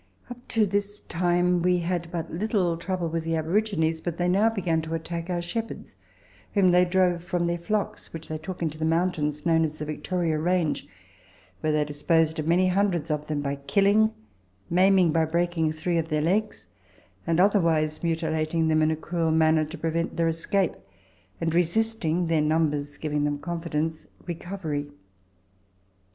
Up to this time we had but little trouble with the aborigines, but they now began to attack our shepherds, whom they drove from their flocks, which they took into the mountains known as the Victoria Range, where they disposed of many hundreds of them by killing, maiming by breaking three of their legs, and otherwise mutilating them in a cruel manner to prevent their escape, and resisting (their numbers giving them confidence) recovery.